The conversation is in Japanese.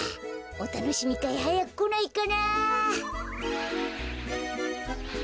おたのしみかいはやくこないかな。